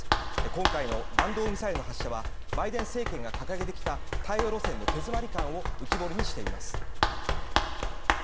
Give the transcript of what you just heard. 今回の弾道ミサイルの発射はバイデン政権が掲げてきた対話路線の手詰まり感を浮き彫りにしています。